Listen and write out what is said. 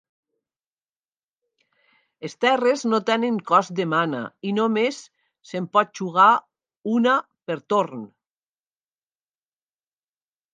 Les terres no tenen cost de mana, i només se'n pot jugar una per torn.